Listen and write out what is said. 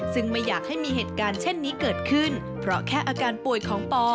ซึ่งไม่อยากให้มีเหตุการณ์เช่นนี้เกิดขึ้นเพราะแค่อาการป่วยของปอ